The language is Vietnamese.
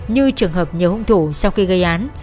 như trường hợp nhiều hung thủ sau khi gây án